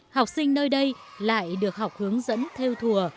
học sinh nơi đây lại được học hướng dẫn theo thùa